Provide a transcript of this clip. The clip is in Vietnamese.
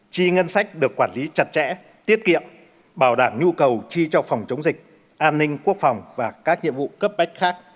chi ngân sách được quản lý chặt chẽ tiết kiệm bảo đảm nhu cầu chi cho phòng chống dịch an ninh quốc phòng và các nhiệm vụ cấp bách khác